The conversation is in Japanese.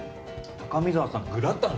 高見沢さんグラタン